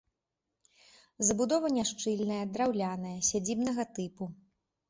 Забудова няшчыльная, драўляная, сядзібнага тыпу.